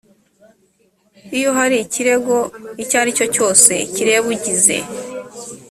iyo hari ikirego icyo ari cyo cyose kireba ugize